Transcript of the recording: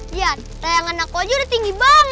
lihat layangan aku aja udah tinggi banget